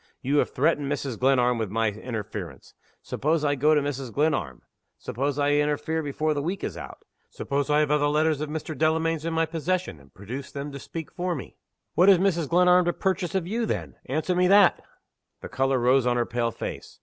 You have threatened Mrs. Glenarm with my interference. Suppose I go to Mrs. Glenarm? Suppose I interfere before the week is out? Suppose I have other letters of Mr. Delamayn's in my possession, and produce them to speak for me? What has Mrs. Glenarm to purchase of you then? Answer me that!" The color rose on her pale face.